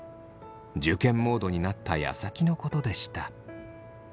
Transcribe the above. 受験モードになったやさきのことでした。